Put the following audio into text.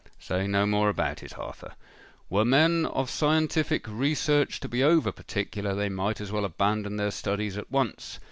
"Say no more about it, Arthur. Were men of scientific research to be over particular, they might as well abandon their studies at once.